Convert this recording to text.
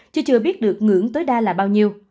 chứ chưa biết được ngưỡng tối đa là bao nhiêu